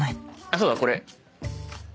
そうだこれ。